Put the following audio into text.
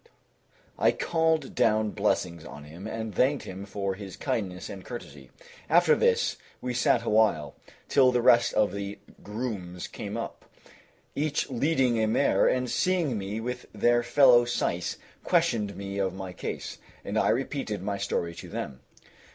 I called down blessings on him and thanked him for his kindness and courtesy.... After this, we sat awhile, till the rest of the grooms came up, each leading a mare, and seeing me with their fellow Syce questioned me of my case, and I repeated my story to them.